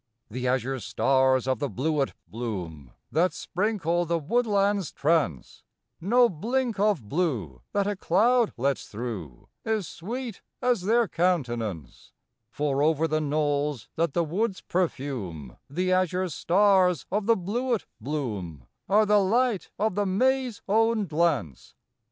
The azure stars of the bluet bloom That sprinkle the woodland's trance No blink of blue that a cloud lets through Is sweet as their countenance: For, over the knolls that the woods perfume, The azure stars of the bluet bloom Are the light of the May's own glance.